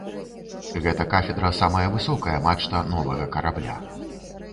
Гэта кафедра самая высокая мачта новага карабля.